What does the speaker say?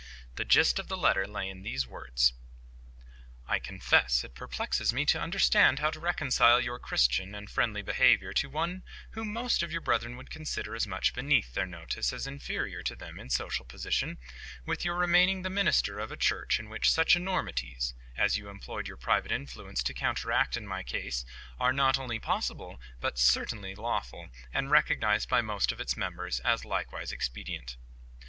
The gist of the letter lay in these words:— "I confess it perplexes me to understand how to reconcile your Christian and friendly behaviour to one whom most of your brethren would consider as much beneath their notice as inferior to them in social position, with your remaining the minister of a Church in which such enormities as you employed your private influence to counteract in my case, are not only possible, but certainly lawful, and recognized by most of its members as likewise expedient."